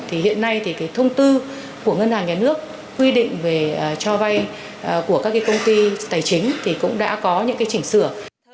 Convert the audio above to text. thì hiện nay thì cái thông tư của ngân hàng nhà nước quy định về cho vay của các cái công ty tài chính thì cũng đã có những cái chỉnh sửa